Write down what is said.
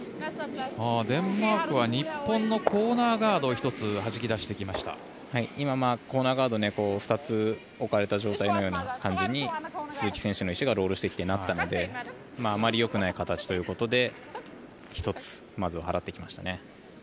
デンマークは日本のコーナーガードを１つ今、コーナーガードを２つ置かれた状態のような感じに鈴木選手の石がロールしてきてなったのであまりよくない形ということで１つ、まずは払ってきましたね。